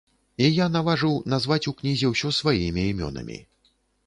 І я наважыў назваць у кнізе ўсё сваімі імёнамі.